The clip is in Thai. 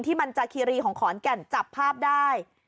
มันจาคีรีของขอนแก่นจับภาพได้